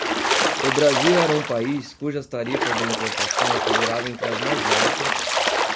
o Brasil era um país cujas tarifas de importação figuravam entre as mais baixas